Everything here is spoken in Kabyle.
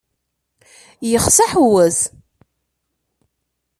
Yexs aḥuwes.